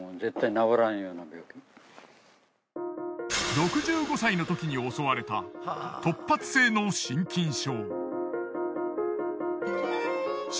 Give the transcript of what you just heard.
６５歳のときに襲われた特発性の心筋症。